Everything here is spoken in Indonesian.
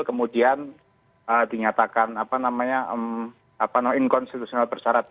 kemudian dinyatakan apa namanya inkonstitusional bersarat